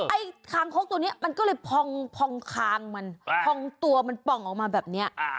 คางคกตัวนี้มันก็เลยพองคางมันพองตัวมันป่องออกมาแบบนี้